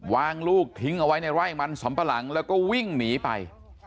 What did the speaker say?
ลูกทิ้งเอาไว้ในไร่มันสำปะหลังแล้วก็วิ่งหนีไป